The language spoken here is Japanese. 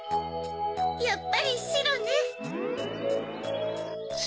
やっぱりしろね！